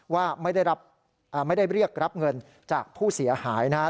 ว่าไม่ได้เรียกรับเงินจากผู้เสียหายนะครับ